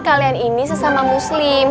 kalian ini sesama muslim